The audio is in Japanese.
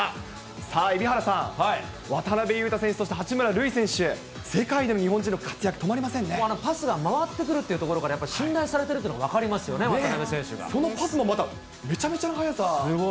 さあ、蛯原さん、渡邊雄太選手、八村塁選手、世界での日本人の活躍、止まりまパスが回ってくるというところから、やっぱり信頼されてるっていうのが分かりますよね、そのパスもまためちゃめちゃすごい。